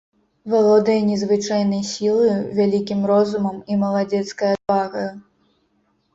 Валодае незвычайнай сілаю, вялікім розумам і маладзецкай адвагаю.